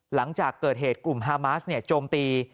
หลังจากเกิดเหตุกลุ่มฮามาสโจมตี